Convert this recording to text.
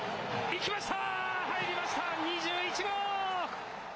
行きました。